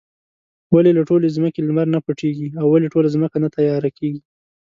ولې له ټولې ځمکې لمر نۀ پټيږي؟ او ولې ټوله ځمکه نه تياره کيږي؟